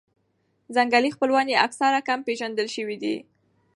ځنګلي خپلوان یې اکثراً کم پېژندل شوي دي.